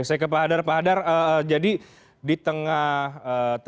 oke saya ke pak adar pak adar jadi di tengah tahun ini